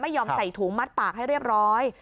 ใส่ถุงมัดปากให้เรียบร้อย